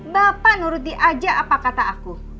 bapak nuruti aja apa kata aku